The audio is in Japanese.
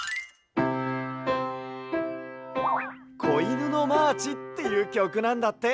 「こいぬのマーチ」っていうきょくなんだって。